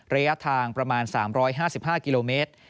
ระยะทางประมาณ๓๕๕กิโลเมตร